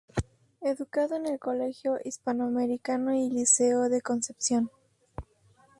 Educado en el Colegio Hispanoamericano y Liceo de Concepción.